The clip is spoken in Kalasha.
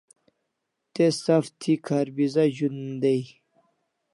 Te saw thi kharbiza zh'un day